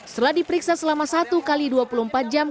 setelah diperiksa selama satu x dua puluh empat jam